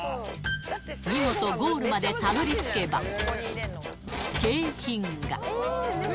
見事ゴールまでたどりつけば、景品が。